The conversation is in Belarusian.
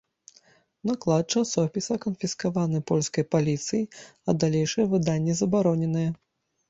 Наклад часопіса канфіскаваны польскай паліцыяй, а далейшае выданне забароненае.